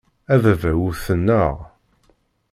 A baba wten-aɣ.